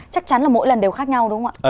chắc chắn là mỗi lần đều khác nhau đúng không ạ